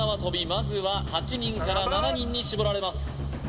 まずは８人から７人に絞られます